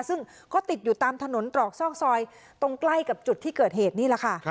ซึ่งก็ติดอยู่ตามถนนตรอกซอกซอยตรงใกล้กับจุดที่เกิดเหตุนี่แหละค่ะ